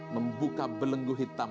membuka belenggu hitam